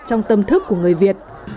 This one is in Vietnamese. trong tâm thức của người việt